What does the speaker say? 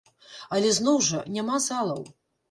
Але зноў жа, няма залаў!